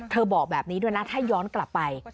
บอกแบบนี้ด้วยนะถ้าย้อนกลับไป